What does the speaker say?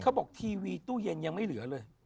ทีวีตู้เย็นยังไม่เหลือเลย